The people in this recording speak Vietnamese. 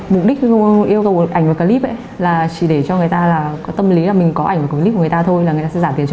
mục đích yêu cầu ảnh và clip là chỉ để cho người ta có tâm lý là mình có ảnh và clip của người ta thôi là người ta sẽ giả tiền